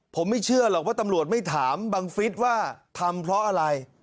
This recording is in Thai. ผมไม่เชื่อหรอกว่าตำรวจไม่ถามบังฟิศว่าทำเพราะอะไร